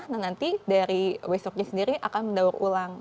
nah nanti dari waste worknya sendiri akan mendaur ulang